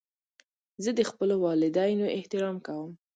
زه د خپلو والدینو احترام کوم.